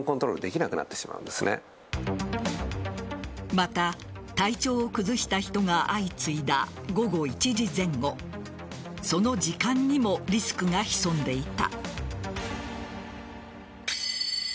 また、体調を崩した人が相次いだ午後１時前後その時間にもリスクが潜んでいた。